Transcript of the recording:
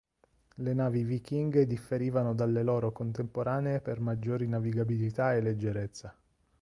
Le navi vichinghe differivano dalle loro contemporanee per maggiori navigabilità e leggerezza.